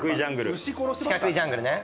『四角いジャングル』ね。